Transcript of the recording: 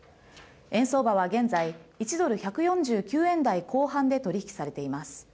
円相場は現在、１ドル１４９円台後半で取り引きされています。